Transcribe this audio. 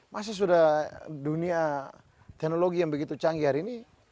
masih sudah dunia teknologi yang begitu canggih hari ini